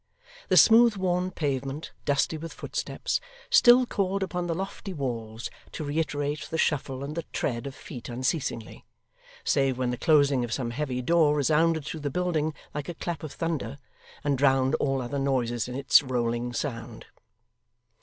The smooth worn pavement, dusty with footsteps, still called upon the lofty walls to reiterate the shuffle and the tread of feet unceasingly, save when the closing of some heavy door resounded through the building like a clap of thunder, and drowned all other noises in its rolling sound.